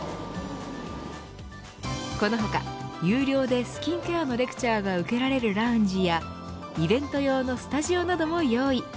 この他、有料でスキンケアのレクチャーが受けられるラウンジやイベント用のスタジオなども用意。